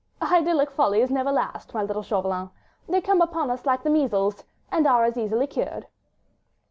"Idyllic follies never last, my little Chauvelin. ... They come upon us like the measles ... and are as easily cured."